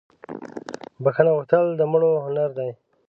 بخښنه غوښتل دمړو هنردي